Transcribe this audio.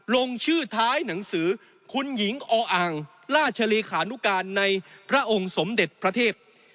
ลงชื่อท้ายหนังสือคุณหญิงออ่างราชเลขานุการในพระองค์สมเด็จพระเทพ